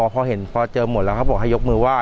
พอเห็นพอเจอหมดแล้วเขาบอกให้ยกมือไห